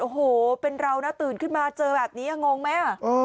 โอ้โหเป็นเรานะตื่นขึ้นมาเจอแบบนี้งงไหม